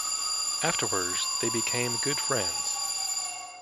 Afterwards they became good friends.